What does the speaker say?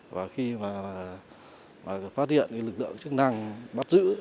và khi mà phát hiện lực lượng chức năng bắt giữ